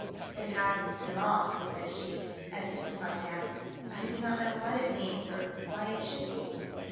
" This happens to them all." said she, " as you will fmd out. I do not know what it means or why it should be."